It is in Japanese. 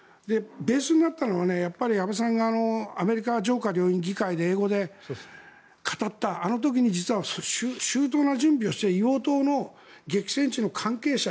ベースになったのは安倍さんがアメリカ上下両院議会で英語で語ったあの時に実は周到な準備をして硫黄島の激戦地の関係者